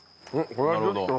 これはちょっと。